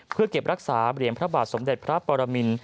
เพื่อเก็บรักษาเหรียญพระบาทสมเด็จพระปรมิน